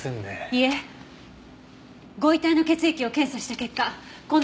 いいえご遺体の血液を検査した結果こんな薬物が。